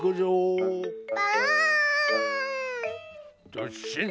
どっしん！